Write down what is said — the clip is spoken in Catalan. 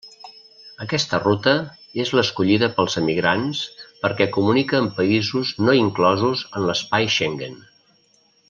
Aquesta ruta és l'escollida pels emigrants perquè comunica amb països no inclosos en l'espai Schengen.